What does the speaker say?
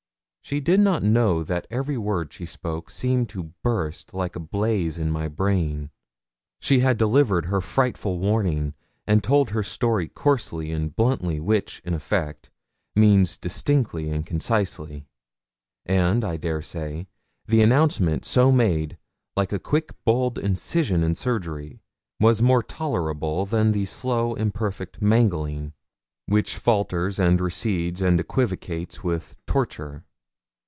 She did not know that every word she spoke seemed to burst like a blaze in my brain. She had delivered her frightful warning, and told her story coarsely and bluntly, which, in effect, means distinctly and concisely; and, I dare say, the announcement so made, like a quick bold incision in surgery, was more tolerable than the slow imperfect mangling, which falters and recedes and equivocates with torture.